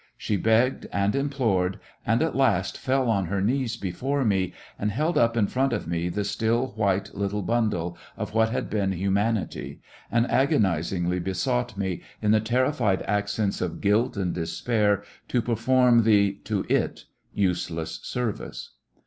She begged and implored, and at last fell on her knees before me and held up in front of me the still, white little bundle of what had been humanity, and agonizingly besought me, in the terrified accents of guilt and despair, to perform the— to it— useless service.